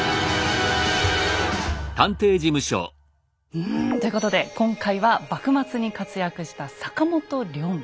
うんということで今回は幕末に活躍した坂本龍馬。